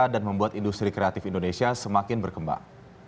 dan membuat industri kreatif indonesia semakin berkembang